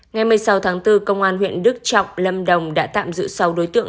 ngày một mươi sáu tháng bốn công an huyện đức trọng lâm đồng đã tạm giữ sáu đối tượng